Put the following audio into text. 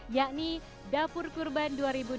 yakni dapur kurban dua ribu dua puluh dua